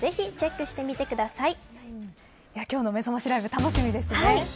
皆さん今日のめざましライブ楽しみですね。